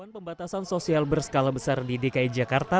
pembatasan sosial berskala besar di dki jakarta